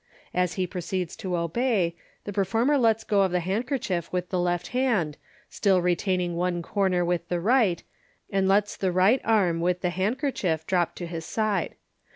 As he proceeds to obey, the per former lets go of the handkerchief with the left hand, still retaining one corner with the right, and lets the right arm with the handker chief drop to his side.